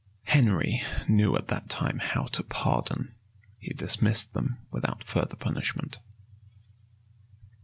Henry knew at that time how to pardon; he dismissed them without further punishment.